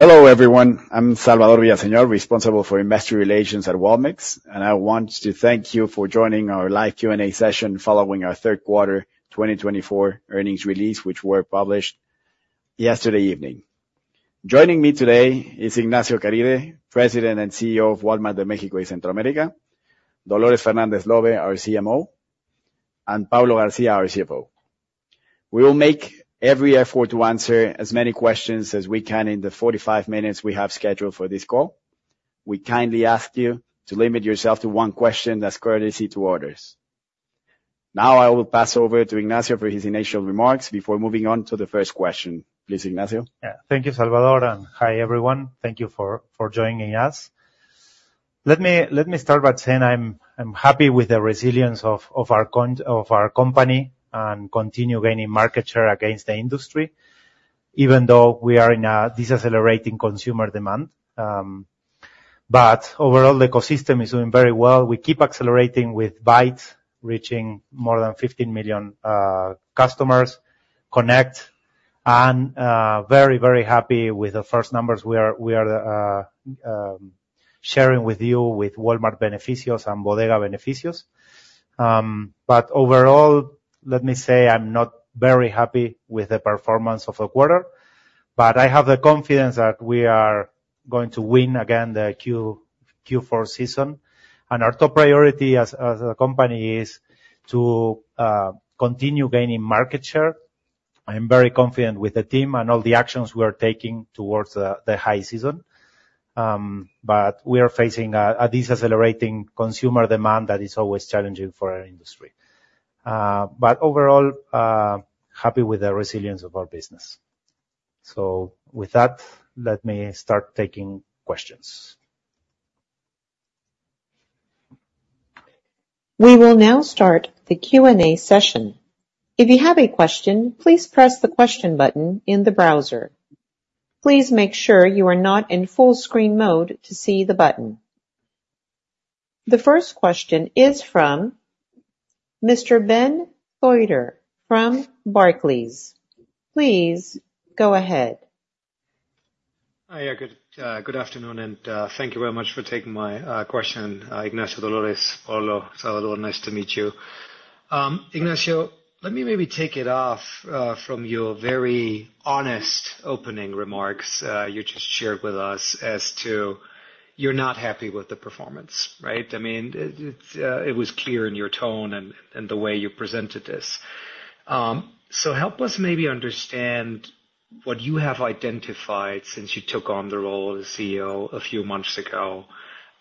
Hello, everyone. I'm Salvador Villaseñor, responsible for Investor Relations at Walmex, and I want to thank you for joining our live Q&A session following our Q3 2024 Earnings Release, which were published yesterday evening. Joining me today is Ignacio Caride, President and CEO of Walmart de México and Centroamérica, Dolores Fernández Lobbe, our CMO, and Paulo García, our CFO. We will make every effort to answer as many questions as we can in the 45 minutes we have scheduled for this call. We kindly ask you to limit yourself to one question, as courtesy to others. Now, I will pass over to Ignacio for his initial remarks before moving on to the first question. Please, Ignacio. Yeah. Thank you, Salvador, and hi, everyone. Thank you for joining us. Let me start by saying I'm happy with the resilience of our company and continue gaining market share against the industry, even though we are in a decelerating consumer demand. But overall, the ecosystem is doing very well. We keep accelerating with Bait, reaching more than fifteen million customers, Connect, and very happy with the first numbers we are sharing with you with Walmart Beneficios and Bodega Beneficios. But overall, let me say, I'm not very happy with the performance of the quarter, but I have the confidence that we are going to win again the Q4 season, and our top priority as a company is to continue gaining market share. I'm very confident with the team and all the actions we are taking towards the high season, but we are facing a decelerating consumer demand that is always challenging for our industry. But overall, happy with the resilience of our business. So with that, let me start taking questions. We will now start the Q&A session. If you have a question, please press the question button in the browser. Please make sure you are not in full screen mode to see the button. The first question is from Mr. Ben Theurer from Barclays. Please go ahead. Hi, yeah, good, good afternoon, and thank you very much for taking my question. Ignacio, Dolores, Paulo, Salvador, nice to meet you. Ignacio, let me maybe take it off from your very honest opening remarks you just shared with us as to you're not happy with the performance, right? I mean, it was clear in your tone and the way you presented this, so help us maybe understand what you have identified since you took on the role of CEO a few months ago,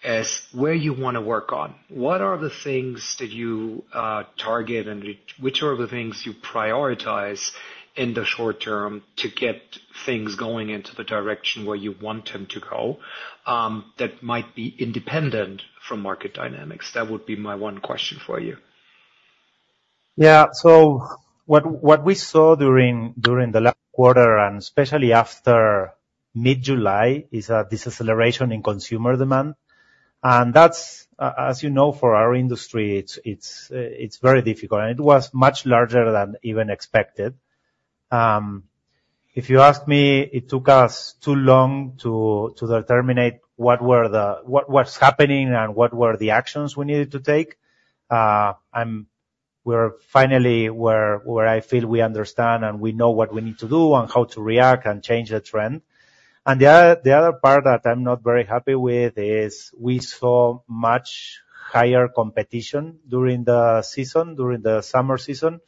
as where you want to work on. What are the things that you target and which are the things you prioritize in the short term to get things going into the direction where you want them to go, that might be independent from market dynamics? That would be my one question for you. Yeah, so what we saw during the last quarter, and especially after mid-July, is a deceleration in consumer demand, and that's, as you know, for our industry, it's very difficult, and it was much larger than even expected. If you ask me, it took us too long to determine what's happening and what were the actions we needed to take, and we're finally where I feel we understand, and we know what we need to do and how to react and change the trend, and the other part that I'm not very happy with is we saw much higher competition during the season, during the summer season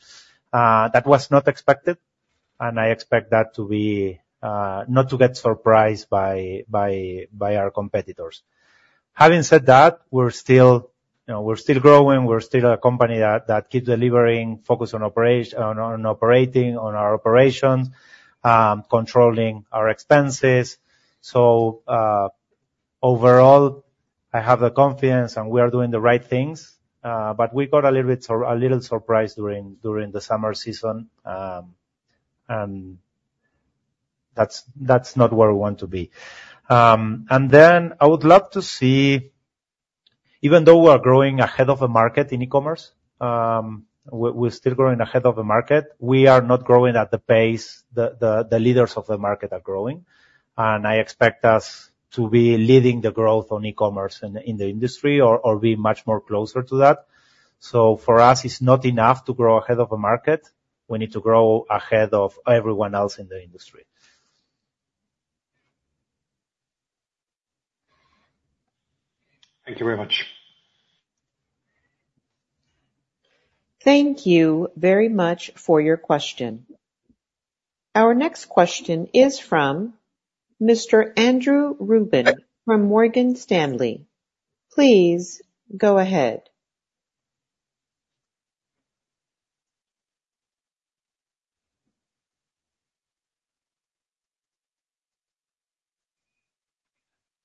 that was not expected, and I expect that to be not to get surprised by our competitors. Having said that, we're still, you know, we're still growing. We're still a company that keeps delivering, focused on operating on our operations, controlling our expenses, so overall, I have the confidence and we are doing the right things, but we got a little surprised during the summer season, and that's not where we want to be, and then I would love to see, even though we are growing ahead of the market in e-commerce, we're still growing ahead of the market. We are not growing at the pace the leaders of the market are growing, and I expect us to be leading the growth on e-commerce in the industry or be much more closer to that, so for us, it's not enough to grow ahead of the market. We need to grow ahead of everyone else in the industry. Thank you very much. Thank you very much for your question. Our next question is from Mr. Andrew Ruben from Morgan Stanley. Please go ahead.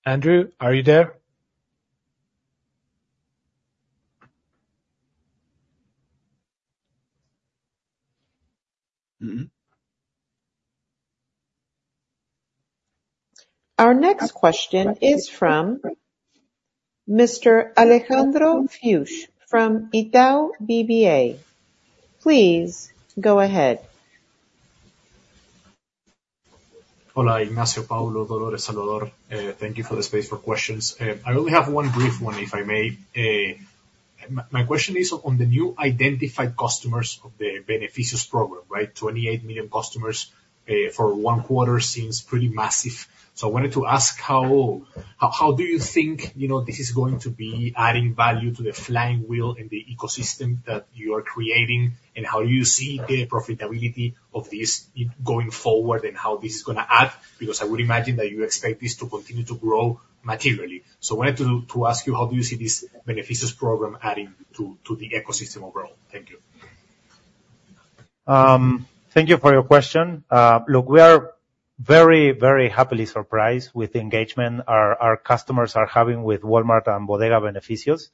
Andrew, are you there? Our next question is from Mr. Alejandro Fuchs from Itaú BBA. Please, go ahead. Hola, Ignacio, Paulo, Dolores, Salvador. Thank you for the space for questions. I only have one brief one, if I may. My question is on the new identified customers of the Beneficios program, right? 28 million customers for one quarter seems pretty massive. So I wanted to ask how do you think, you know, this is going to be adding value to the flywheel and the ecosystem that you are creating, and how you see the profitability of this going forward, and how this is gonna add? Because I would imagine that you expect this to continue to grow materially. So I wanted to ask you, how do you see this Beneficios program adding to the ecosystem overall? Thank you. Thank you for your question. Look, we are very, very happily surprised with the engagement our customers are having with Walmart and Bodega Beneficios.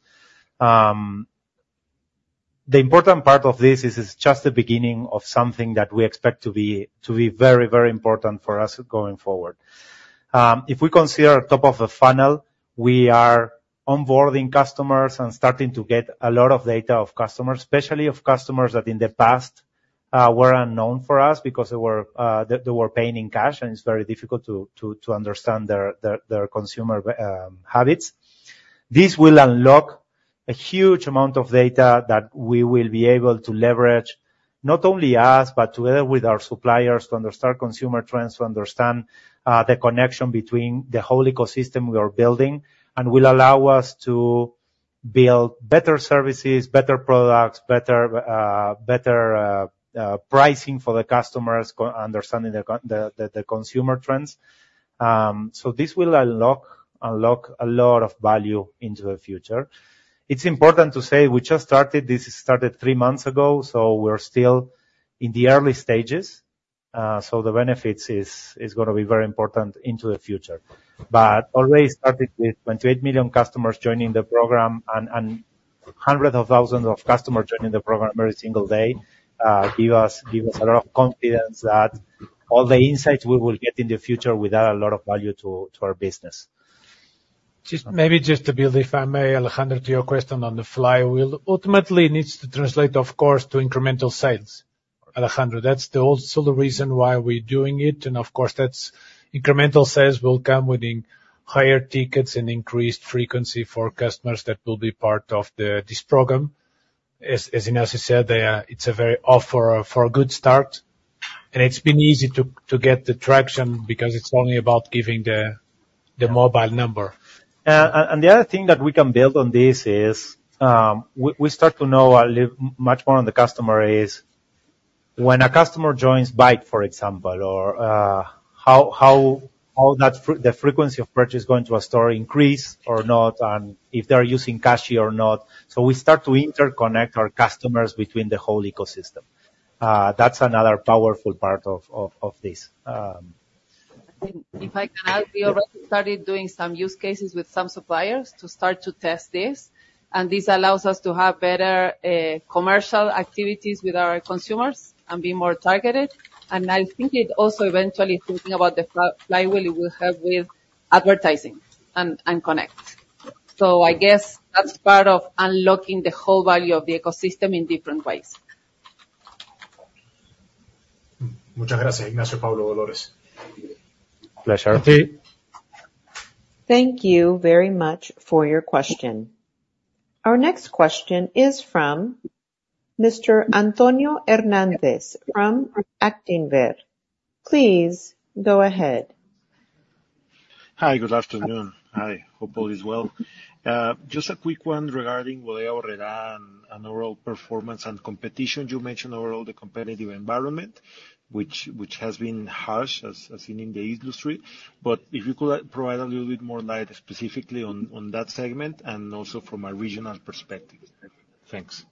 The important part of this is it's just the beginning of something that we expect to be very, very important for us going forward. If we consider top of the funnel, we are onboarding customers and starting to get a lot of data of customers, especially of customers that in the past were unknown for us because they were paying in cash, and it's very difficult to understand their consumer habits. This will unlock a huge amount of data that we will be able to leverage, not only us, but together with our suppliers, to understand consumer trends, to understand the connection between the whole ecosystem we are building, and will allow us to build better services, better products, better pricing for the customers by understanding the consumer trends. So this will unlock a lot of value into the future. It's important to say we just started; this started three months ago, so we're still in the early stages. So the benefits is gonna be very important into the future. But already started with 28 million customers joining the program and hundreds of thousands of customers joining the program every single day, give us a lot of confidence that all the insights we will get in the future will add a lot of value to our business. Just maybe, just to build, if I may, Alejandro, to your question on the flywheel. Ultimately, it needs to translate, of course, to incremental sales, Alejandro. That's also the reason why we're doing it, and of course, those incremental sales will come from higher tickets and increased frequency for customers that will be part of this program. As Ignacio said, they are off to a very good start. And it's been easy to get the traction because it's only about giving the mobile number. And the other thing that we can build on this is, we start to know a lot more about the customer, when a customer joins Bait, for example, or how the frequency of purchase going to a store increase or not, and if they're using cash or not. So we start to interconnect our customers between the whole ecosystem. That's another powerful part of this. If I can add, we already started doing some use cases with some suppliers to start to test this, and this allows us to have better commercial activities with our consumers and be more targeted. And I think it also eventually, thinking about the flywheel, it will help with advertising and connect. So I guess that's part of unlocking the whole value of the ecosystem in different ways. Muchas gracias, Ignacio, Paulo, Dolores. Pleasure. Thank you very much for your question. Our next question is from Mr. Antonio Hernández from Actinver. Please go ahead. Hi, good afternoon. Hi, hope all is well. Just a quick one regarding Bodega Aurrerá and overall performance and competition. You mentioned overall the competitive environment, which has been harsh as in the industry. But if you could provide a little bit more light specifically on that segment and also from a regional perspective. Thanks.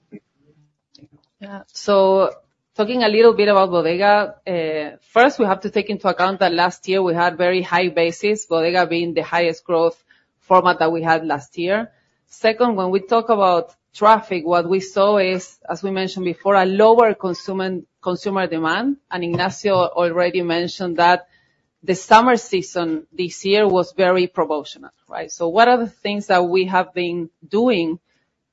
Yeah. So talking a little bit about Bodega, first, we have to take into account that last year we had very high basis, Bodega being the highest growth format that we had last year. Second, when we talk about traffic, what we saw is, as we mentioned before, a lower consumer demand. And Ignacio already mentioned that the summer season this year was very promotional, right? So one of the things that we have been doing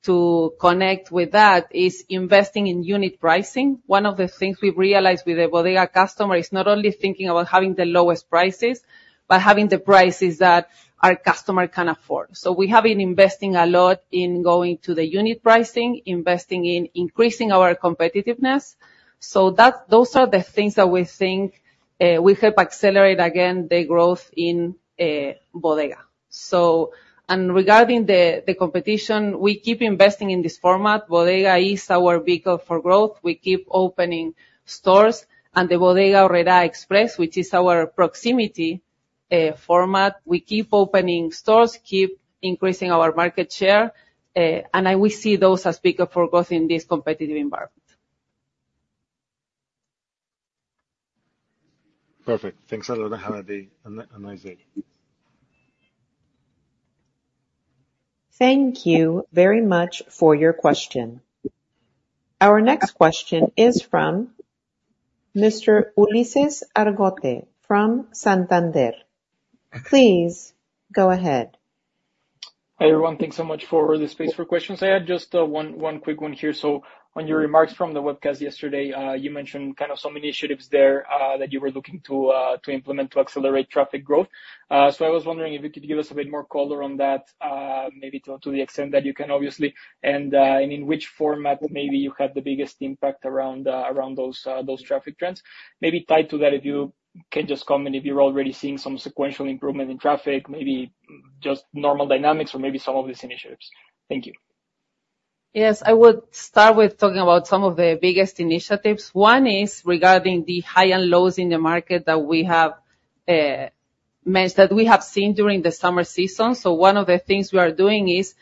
to connect with that is investing in unit pricing. One of the things we've realized with the Bodega customer is not only thinking about having the lowest prices, but having the prices that our customer can afford. So we have been investing a lot in going to the unit pricing, investing in increasing our competitiveness. Those are the things that we think will help accelerate again the growth in Bodega. Regarding the competition, we keep investing in this format. Bodega is our vehicle for growth. We keep opening stores, and the Bodega Aurrerá Express, which is our proximity format. We keep opening stores, keep increasing our market share, and we'll see those as bigger for growth in this competitive environment. Perfect. Thanks a lot, have a nice day. Thank you very much for your question. Our next question is from Mr. Ulises Argote from Santander, please go ahead. Hi, everyone. Thanks so much for the space for questions. I had just one quick question. So on your remarks from the webcast yesterday, you mentioned kind of some initiatives there that you were looking to implement to accelerate traffic growth. So I was wondering if you could give us a bit more color on that, maybe to the extent that you can, obviously, and in which format maybe you had the biggest impact around those traffic trends. Maybe tied to that, if you can just comment if you're already seeing some sequential improvement in traffic, maybe just normal dynamics or maybe some of these initiatives. Thank you. Yes, I would start with talking about some of the biggest initiatives. One is regarding the high and lows in the market that we have managed, that we have seen during the summer season, so one of the things we are doing is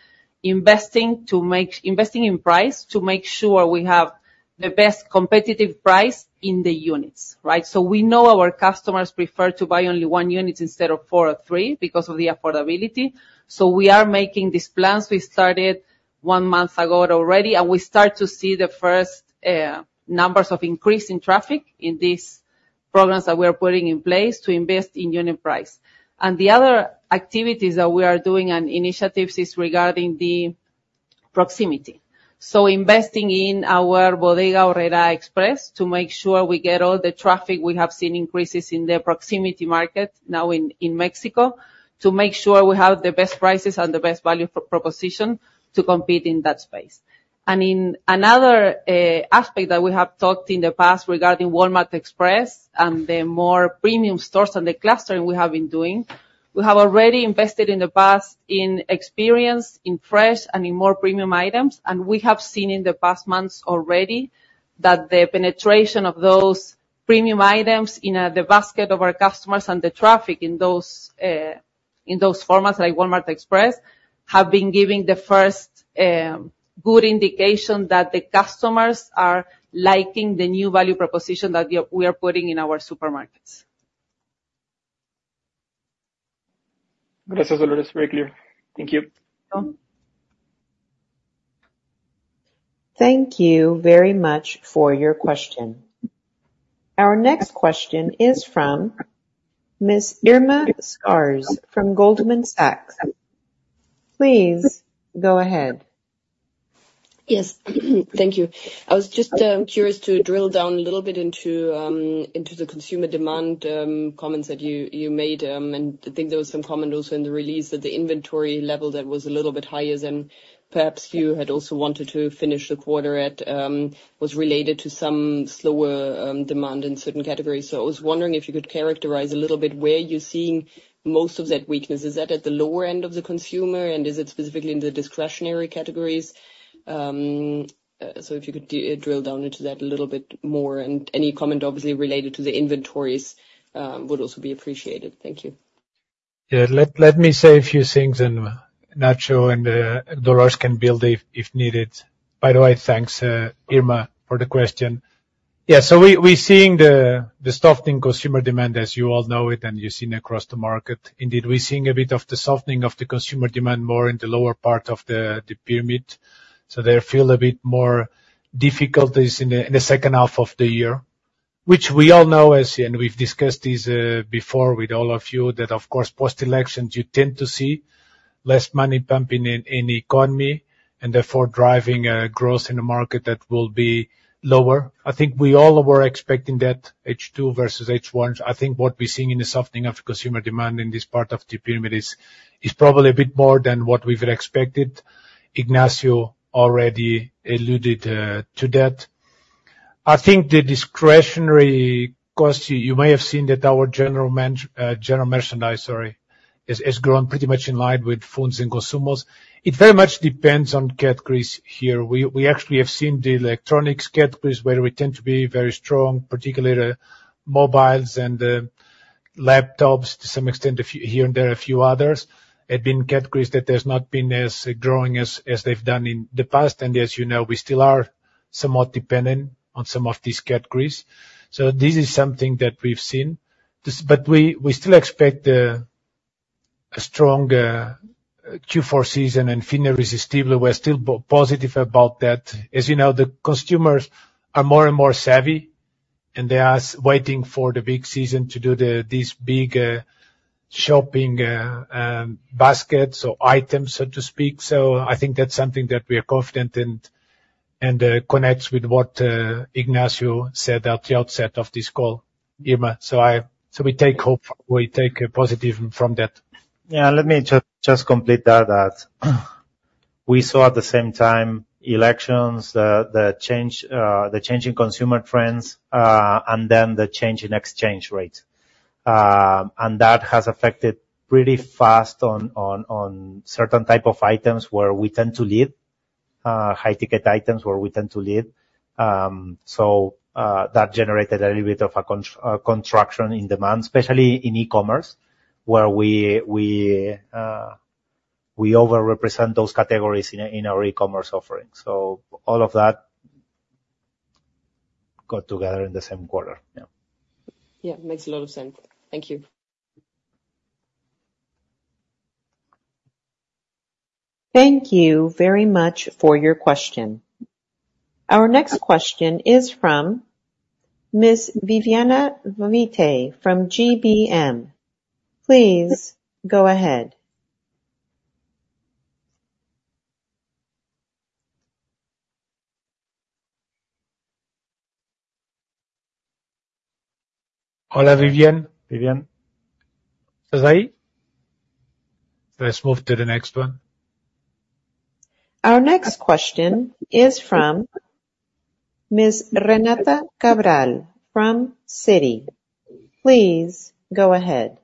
investing in price to make sure we have the best competitive price in the units, right, so we know our customers prefer to buy only one unit instead of four or three because of the affordability, so we are making these plans. We started one month ago already, and we start to see the first numbers of increase in traffic in these programs that we're putting in place to invest in unit price, and the other activities that we are doing and initiatives is regarding the proximity, so investing in our Bodega Aurrerá Express to make sure we get all the traffic. We have seen increases in the proximity market now in Mexico, to make sure we have the best prices and the best value proposition to compete in that space. And in another aspect that we have talked in the past regarding Walmart Express and the more premium stores and the clustering we have been doing, we have already invested in the past in experience, in fresh, and in more premium items. And we have seen in the past months already that the penetration of those premium items in the basket of our customers and the traffic in those formats, like Walmart Express, have been giving the first good indication that the customers are liking the new value proposition that we are putting in our supermarkets. Gracias, Dolores. Very clear. Thank you. Welcome. Thank you very much for your question. Our next question is from Ms. Irma Sgarz from Goldman Sachs. Please go ahead. Yes, thank you. I was just curious to drill down a little bit into the consumer demand comments that you made, and I think there was some comment also in the release that the inventory level that was a little bit higher than perhaps you had also wanted to finish the quarter at was related to some slower demand in certain categories. So I was wondering if you could characterize a little bit where you're seeing most of that weakness. Is that at the lower end of the consumer, and is it specifically in the discretionary categories? So if you could drill down into that a little bit more, and any comment obviously related to the inventories would also be appreciated. Thank you. Yeah. Let me say a few things, and Ignacio and Dolores can build if needed. By the way, thanks, Irma, for the question. Yeah, so we're seeing the softening consumer demand, as you all know it, and you've seen across the market. Indeed, we're seeing a bit of the softening of the consumer demand more in the lower part of the pyramid, so there feel a bit more difficulties in the second half of the year, which we all know, and we've discussed this before with all of you, that, of course, post-elections, you tend to see less money pumping in the economy, and therefore driving growth in the market that will be lower. I think we all were expecting that H2 versus H1. I think what we're seeing in the softening of consumer demand in this part of the pyramid is probably a bit more than what we've expected. Ignacio already alluded to that. I think the discretionary cost, you may have seen that our general merchandise, sorry, has grown pretty much in line with foods and consumables. It very much depends on categories here. We actually have seen the electronics categories, where we tend to be very strong, particularly the mobiles and the laptops, to some extent, a few here and there, a few others, have been categories that there's not been as growing as they've done in the past. And as you know, we still are somewhat dependent on some of these categories. So this is something that we've seen. That, but we still expect a strong Q4 season and Buen Fin Irresistible. We're still positive about that. As you know, the customers are more and more savvy, and they are waiting for the big season to do these big shopping baskets or items, so to speak. So I think that's something that we are confident in and connects with what Ignacio said at the outset of this call, Irma. So we take hope, we take a positive from that. Yeah, let me just complete that, we saw at the same time elections, the change in consumer trends, and then the change in exchange rates. And that has affected pretty fast on certain type of items where we tend to lead, high-ticket items, where we tend to lead. So that generated a little bit of a contraction in demand, especially in e-commerce, where we overrepresent those categories in our e-commerce offering. So all of that got together in the same quarter. Yeah. Yeah, makes a lot of sense. Thank you. Thank you very much for your question. Our next question is from Ms. Viviana Vite from GBM. Please go ahead. Hello, Vivian. Vivian, is this I? Let's move to the next one. Our next question is from Ms. Renata Cabral from Citi. Please go ahead.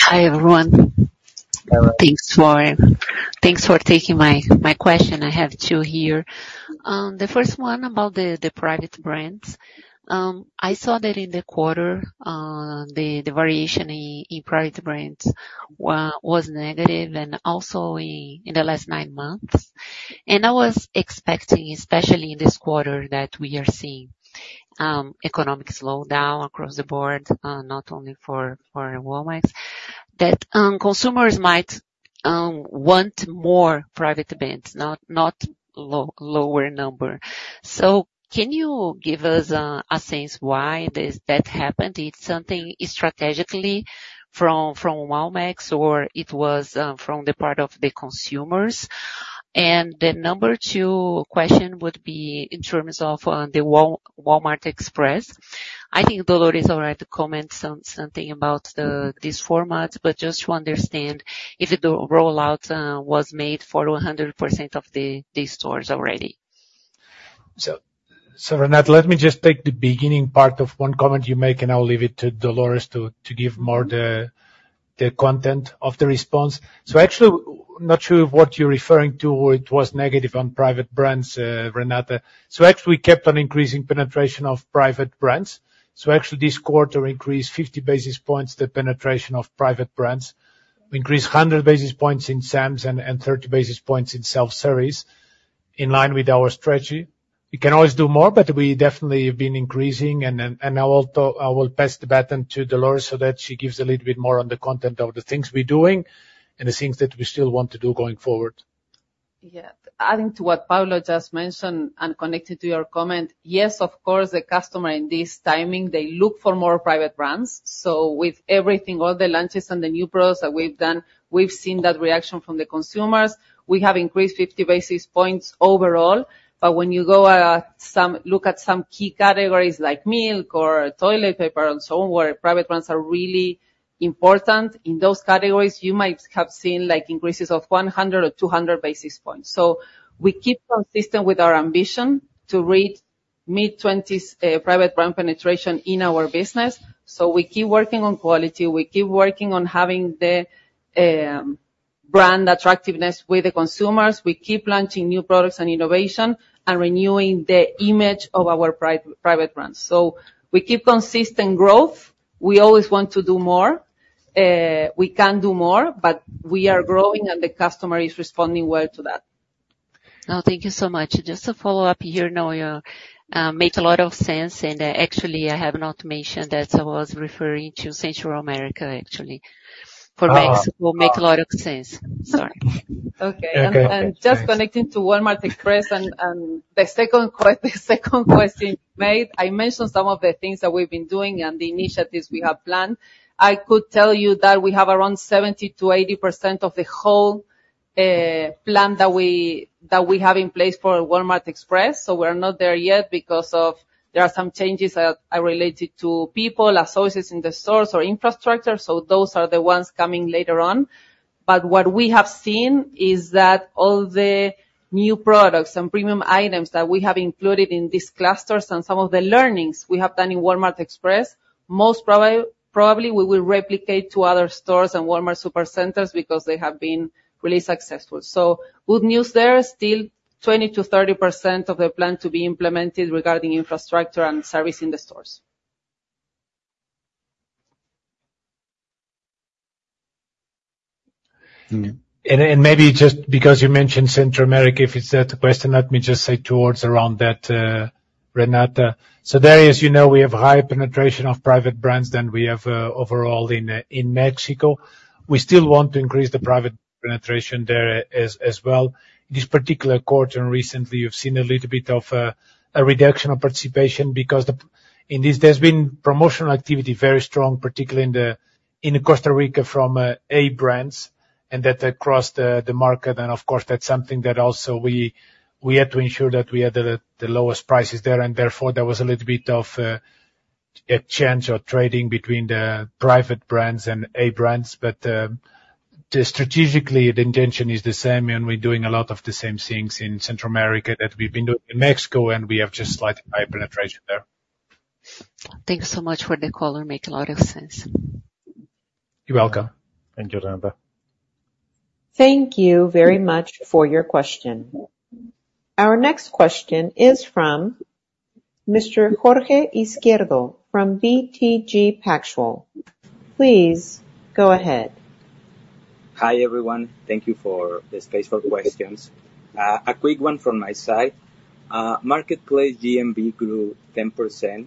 Hi, everyone. Hello. Thanks for taking my question. I have two here. The first one about the private brands. I saw that in the quarter, the variation in private brands was negative and also in the last nine months. And I was expecting, especially in this quarter, that we are seeing economic slowdown across the board, not only for Walmex, that consumers might want more private brands, not lower number. So can you give us a sense why that happened? It's something strategically from Walmex, or it was from the part of the consumers? And the number two question would be in terms of the Walmart Express. I think Dolores already comment something about the, this format, but just to understand if the rollout was made for 100% of the stores already. Renata, let me just take the beginning part of one comment you make, and I'll leave it to Dolores to give more the content of the response. Actually, not sure what you're referring to, where it was negative on private brands, Renata. Actually, we kept on increasing penetration of private brands. Actually, this quarter increased 50 basis points, the penetration of private brands. Increased 100 basis points in Sam's and 30 basis points in self-service, in line with our strategy. We can always do more, but we definitely have been increasing, and I will pass the baton to Dolores so that she gives a little bit more on the content of the things we're doing and the things that we still want to do going forward. Yeah. Adding to what Paulo just mentioned and connected to your comment, yes, of course, the customer in this timing, they look for more private brands. So with everything, all the launches and the new products that we've done, we've seen that reaction from the consumers. We have increased fifty basis points overall, but when you go at some, look at some key categories like milk or toilet paper and so on, where private brands are really important, in those categories, you might have seen, like, increases of one hundred or two hundred basis points. So we keep consistent with our ambition to reach mid-twenties private brand penetration in our business. So we keep working on quality, we keep working on having the brand attractiveness with the consumers. We keep launching new products and innovation and renewing the image of our private brands. So we keep consistent growth. We always want to do more. We can do more, but we are growing and the customer is responding well to that. Oh, thank you so much. Just to follow up here, no, you make a lot of sense, and actually, I have not mentioned that I was referring to Central America, actually. For Mexico, make a lot of sense. Sorry. Just connecting to Walmart Express and the second question you made, I mentioned some of the things that we've been doing and the initiatives we have planned. I could tell you that we have around 70%-80% of the whole plan that we have in place for Walmart Express. We're not there yet because there are some changes that are related to people, associates in the stores or infrastructure, so those are the ones coming later on. But what we have seen is that all the new products and premium items that we have included in these clusters and some of the learnings we have done in Walmart Express, probably we will replicate to other stores and Walmart Supercenters because they have been really successful. So good news there, still 20%-30% of the plan to be implemented regarding infrastructure and service in the stores. Maybe just because you mentioned Central America, if it's that question, let me just say towards around that, Renata. So there, as you know, we have high penetration of private brands than we have overall in Mexico. We still want to increase the private penetration there as well. This particular quarter and recently, you've seen a little bit of a reduction of participation because in this, there's been promotional activity, very strong, particularly in Costa Rica from A brands, and that across the market, and of course, that's something that also we had to ensure that we had the lowest prices there, and therefore, there was a little bit of a change or trading between the private brands and A brands. Strategically, the intention is the same, and we're doing a lot of the same things in Central America that we've been doing in Mexico, and we have just slightly high penetration there. Thanks so much for the call. It makes a lot of sense. You're welcome. Thank you, Renata. Thank you very much for your question. Our next question is from Mr. Jorge Izquierdo from BTG Pactual. Please go ahead. Hi, everyone. Thank you for the space for questions. A quick one from my side. Marketplace GMV grew 10%,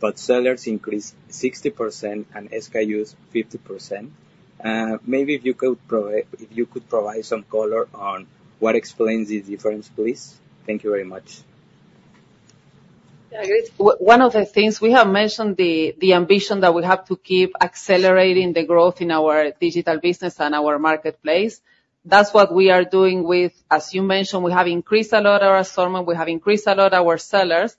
but sellers increased 60% and SKUs 50%. Maybe if you could provide some color on what explains the difference, please. Thank you very much. Yeah, great. One of the things we have mentioned, the ambition that we have to keep accelerating the growth in our digital business and our marketplace, that's what we are doing with, as you mentioned, we have increased a lot our assortment, we have increased a lot our sellers.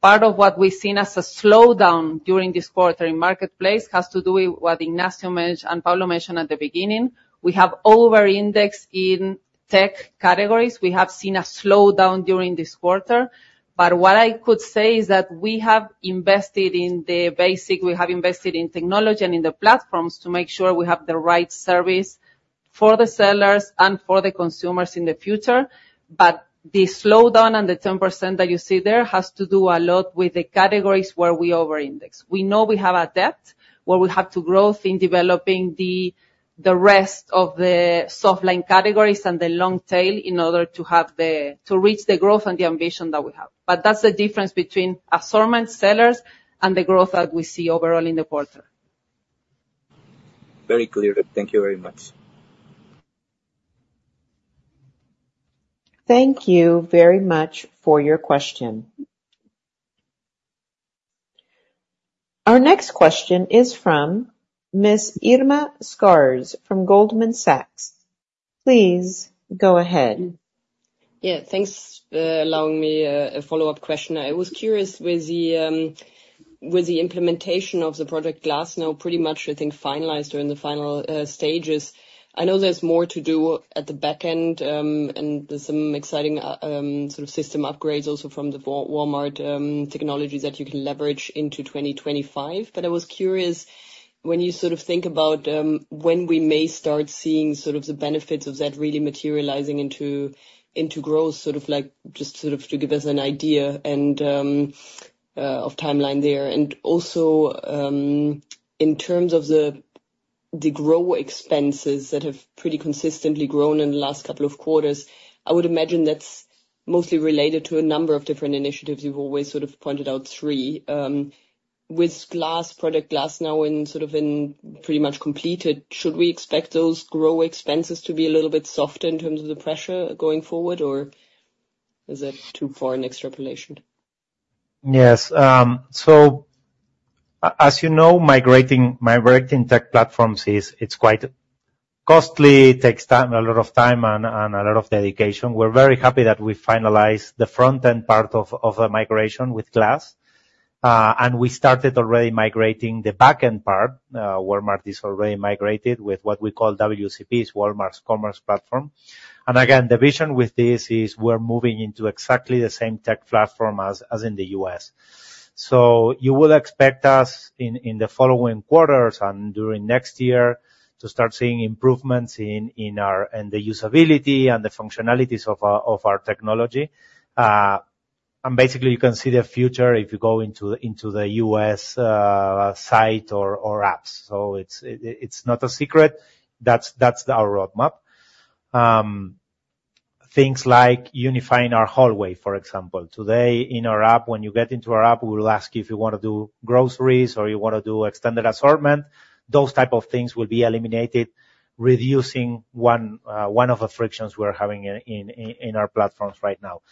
Part of what we've seen as a slowdown during this quarter in marketplace has to do with what Ignacio mentioned and Paulo mentioned at the beginning. We have over-indexed in tech categories. We have seen a slowdown during this quarter, but what I could say is that we have invested in the basics, we have invested in technology and in the platforms to make sure we have the right service for the sellers and for the consumers in the future. But the slowdown and the 10% that you see there has to do a lot with the categories where we over-index. We know we have a depth where we have to grow in developing the rest of the soft line categories and the long tail, in order to reach the growth and the ambition that we have. But that's the difference between assortment, sellers, and the growth that we see overall in the quarter. Very clear. Thank you very much. Thank you very much for your question. Our next question is from Ms. Irma Sgarz, from Goldman Sachs. Please go ahead. Yeah, thanks, allowing me a follow-up question. I was curious, with the implementation of the Project Glass now pretty much, I think, finalized or in the final stages, I know there's more to do at the back end, and there's some exciting sort of system upgrades also from the Walmart technologies that you can leverage into 2025. But I was curious, when you sort of think about when we may start seeing sort of the benefits of that really materializing into growth, sort of like, just sort of to give us an idea and of timeline there. And also, in terms of the SG&A expenses that have pretty consistently grown in the last couple of quarters, I would imagine that's mostly related to a number of different initiatives. You've always sort of pointed out three. With Glass, Project Glass now in, sort of in pretty much completed, should we expect those SG&A expenses to be a little bit softer in terms of the pressure going forward, or is that too far an extrapolation? Yes, so as you know, migrating tech platforms is quite costly, it takes time, a lot of time and a lot of dedication. We're very happy that we finalized the front end part of the migration with Glass, and we started already migrating the back end part, where Marketplace is already migrated with what we call WCP, it's Walmart's Commerce Platform. Again, the vision with this is we're moving into exactly the same tech platform as in the U.S. So you will expect us in the following quarters and during next year to start seeing improvements in our usability and the functionalities of our technology. And basically, you can see the future if you go into the U.S. site or apps. So it's not a secret. That's our roadmap. Things like unifying our hallway, for example. Today, in our app, when you get into our app, we will ask you if you wanna do groceries or you wanna do extended assortment. Those type of things will be eliminated, reducing one of the frictions we're having in our platforms right now.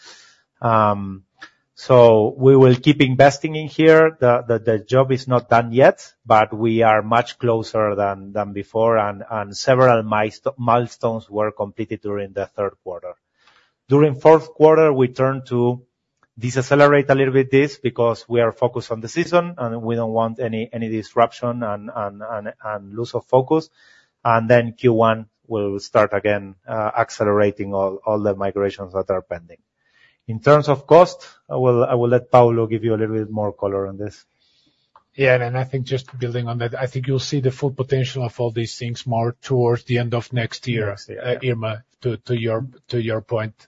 So we will keep investing in here. The job is not done yet, but we are much closer than before, and several milestones were completed during the third quarter. During fourth quarter, we turn to decelerate a little bit this, because we are focused on the season, and we don't want any disruption and lose of focus. And then Q1, we'll start again, accelerating all the migrations that are pending. In terms of cost, I will let Paulo give you a little bit more color on this. Yeah, and I think just building on that, I think you'll see the full potential of all these things more towards the end of next year. Irma, to your point.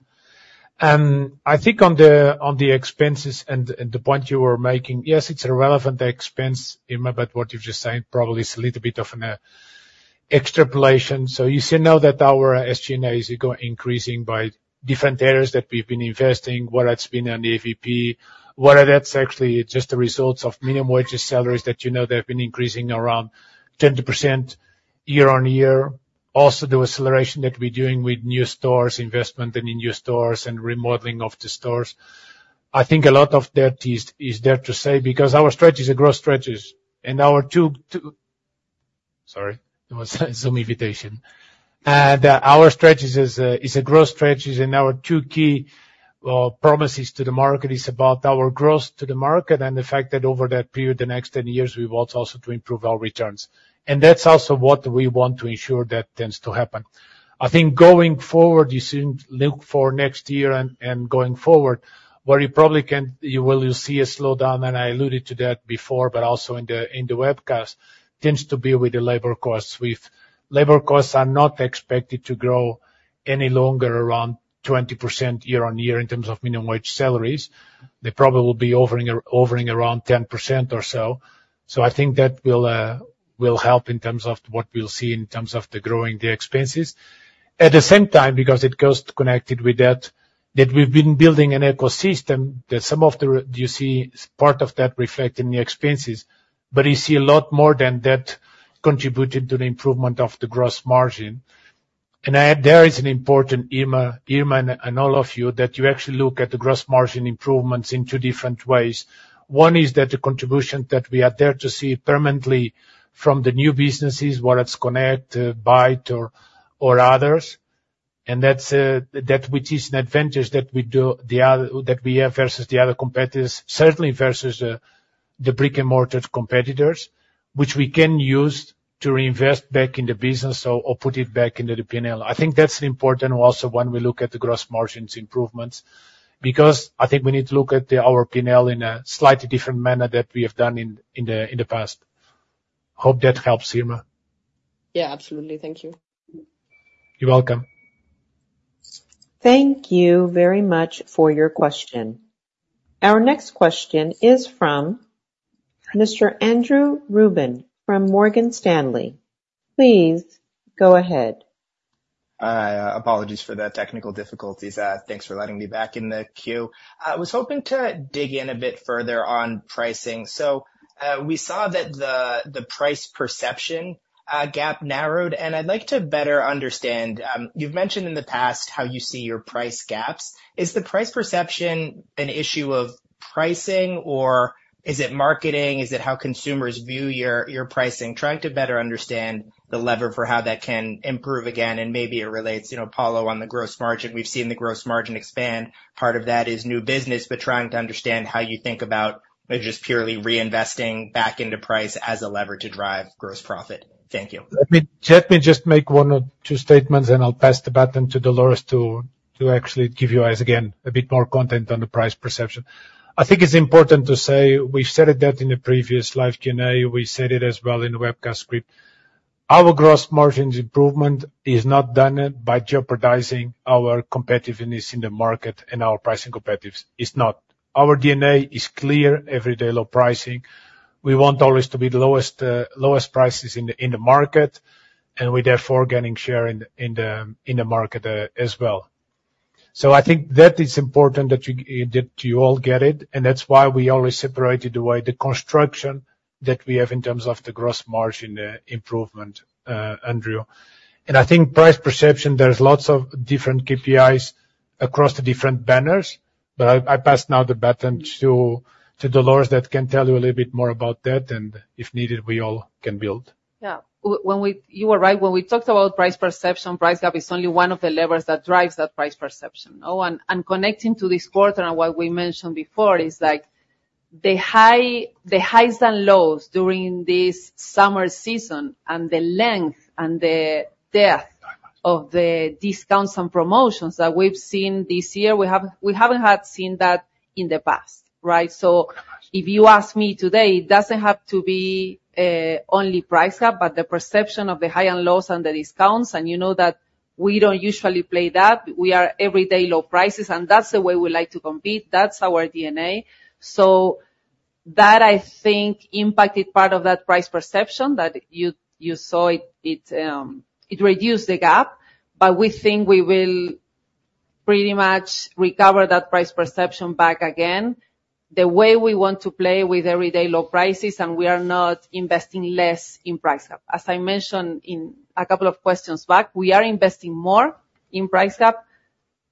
I think on the expenses and the point you were making, yes, it's a relevant expense, Irma, but what you're just saying probably is a little bit of an extrapolation. So you see now that our SG&A is increasing by different areas that we've been investing, whether it's been on AVP, whether that's actually just the results of minimum wage salaries that you know, they've been increasing around 10% year on year. Also, the acceleration that we're doing with new stores, investment in the new stores and remodeling of the stores. I think a lot of that is there to say, because our strategy is a growth strategy, and our two, two... Sorry, it was a Zoom invitation. That our strategy is a growth strategy, and our two key promises to the market is about our growth to the market and the fact that over that period, the next ten years, we want also to improve our returns. And that's also what we want to ensure that tends to happen. I think going forward, you should look for next year and going forward, where you probably can you will see a slowdown, and I alluded to that before, but also in the webcast, tends to be with the labor costs. With labor costs are not expected to grow any longer, around 20% year on year, in terms of minimum wage salaries. They probably will be hovering around 10% or so. So I think that will help in terms of what we'll see in terms of the growing the expenses. At the same time, because it goes connected with that, that we've been building an ecosystem, that some of the, you see part of that reflect in the expenses, but you see a lot more than that contributing to the improvement of the gross margin. And there is an important, Irma, and all of you, that you actually look at the gross margin improvements in two different ways. One is that the contribution that we are there to see permanently from the new businesses, whether it's Connect, Bait or others, and that's that which is an advantage that we do, the other that we have versus the other competitors, certainly versus the brick-and-mortar competitors, which we can use to reinvest back in the business so or put it back into the P&L. I think that's important also when we look at the gross margins improvements, because I think we need to look at our P&L in a slightly different manner than we have done in the past. Hope that helps, Irma. Yeah, absolutely. Thank you. You're welcome. Thank you very much for your question. Our next question is from Mr. Andrew Ruben from Morgan Stanley. Please go ahead. Apologies for the technical difficulties. Thanks for letting me back in the queue. I was hoping to dig in a bit further on pricing. So, we saw that the price perception gap narrowed, and I'd like to better understand. You've mentioned in the past how you see your price gaps. Is the price perception an issue of pricing, or is it marketing? Is it how consumers view your pricing? Trying to better understand the lever for how that can improve again, and maybe it relates, you know, Paulo, on the gross margin. We've seen the gross margin expand. Part of that is new business, but trying to understand how you think about just purely reinvesting back into price as a lever to drive gross profit. Thank you. Let me just make one or two statements, and I'll pass the baton to Dolores to actually give you guys, again, a bit more content on the price perception. I think it's important to say, we've said it that in the previous live Q&A, we said it as well in the webcast script, our gross margins improvement is not done by jeopardizing our competitiveness in the market and our pricing competitiveness. It's not. Our DNA is clear, everyday low pricing. We want always to be the lowest prices in the market, as well. So I think that is important that you all get it, and that's why we always separated the way the construction that we have in terms of the gross margin improvement, Andrew. I think price perception, there's lots of different KPIs across the different banners, but I, I pass now the baton to, to Dolores, that can tell you a little bit more about that, and if needed, we all can build. Yeah. You are right, when we talked about price perception, price gap is only one of the levers that drives that price perception. Oh, and connecting to this quarter and what we mentioned before is, like, the highs and lows during this summer season and the length and the depth of the discounts and promotions that we've seen this year, we haven't seen that in the past, right? So if you ask me today, it doesn't have to be only price gap, but the perception of the highs and lows and the discounts, and you know that we don't usually play that. We are everyday low prices, and that's the way we like to compete. That's our DNA. So that, I think, impacted part of that price perception, that you saw it reduced the gap, but we think we will pretty much recover that price perception back again the way we want to play with everyday low prices, and we are not investing less in price gap. As I mentioned in a couple of questions back, we are investing more in price gap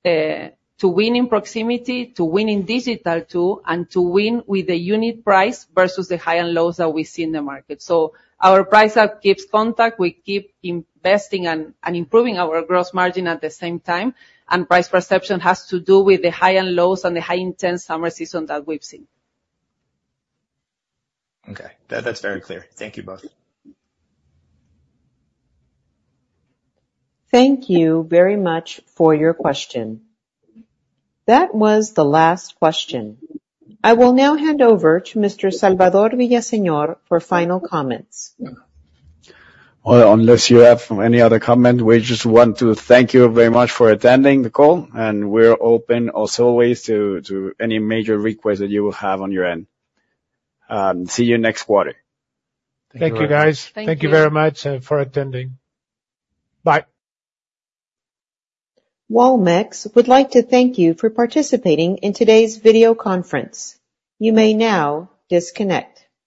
to win in proximity, to win in digital too, and to win with the unit price versus the high and lows that we see in the market. So our price gap keeps contact. We keep investing and improving our gross margin at the same time, and price perception has to do with the high and lows and the high intense summer season that we've seen. Okay, that's very clear. Thank you both. Thank you very much for your question. That was the last question. I will now hand over to Mr. Salvador Villaseñor for final comments. Unless you have any other comment, we just want to thank you very much for attending the call, and we're open also always to any major requests that you will have on your end. See you next quarter. Thank you, guys. Thank you. Thank you very much, for attending. Bye. Walmex would like to thank you for participating in today's video conference. You may now disconnect.